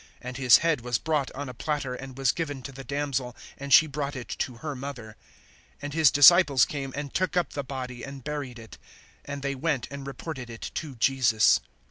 (11)And his head was brought on a platter, and was given to the damsel, and she brought it to her mother. (12)And his disciples came and took up the body, and buried it; and they went and reported it to Jesus.